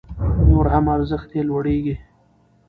نور هم ارزښت يې لوړيږي